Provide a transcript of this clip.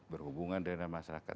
berhubungan dengan masyarakat